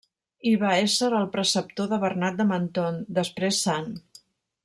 Hi va ésser el preceptor de Bernat de Menthon, després sant.